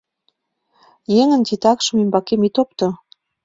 — Еҥын титакшым ӱмбакем ит опто!